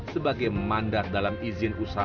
sebagai mandat dalam izin usaha